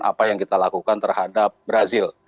apa yang kita lakukan terhadap brazil